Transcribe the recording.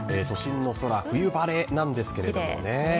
都心の空、冬晴れなんですけれどもね。